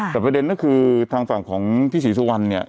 แต่ประเด็นก็คือทางฝั่งของพี่ศรีสุวรรณเนี่ย